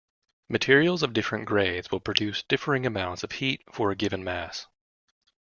Materials of different grades will produce differing amounts of heat for a given mass.